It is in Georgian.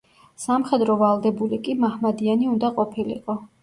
სამხედრო ვალდებული კი მაჰმადიანი უნდა ყოფილიყო.